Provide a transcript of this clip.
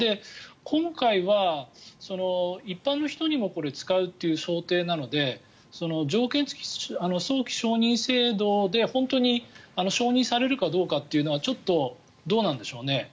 今回は一般の人にも使うという想定なので条件付き早期承認制度で本当に承認されるかどうかというのはちょっとどうなんでしょうね